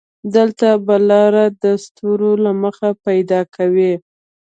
دلته به لاره د ستورو له مخې پيدا کوې.